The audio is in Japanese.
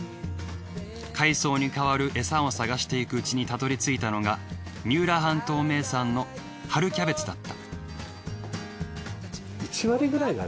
海藻に代わる餌を探していくうちにたどり着いたのが三浦半島名産の春キャベツだった。